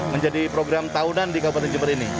menjadi program tahunan di kabupaten jember ini